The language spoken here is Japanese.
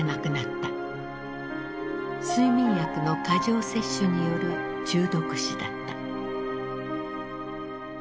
睡眠薬の過剰摂取による中毒死だった。